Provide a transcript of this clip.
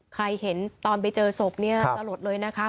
เห็นตอนไปเจอศพเนี่ยสลดเลยนะคะ